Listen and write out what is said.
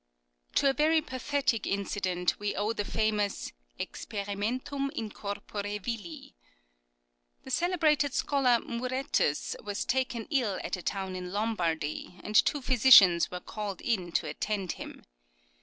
To a very pathetic incident we owe the famous " Experimentum in corpore vili." The celebrated scholar Muretus was taken ill at a town in Lombardy, and two physicians 276 CURIOSITIES OF were called in to attend him.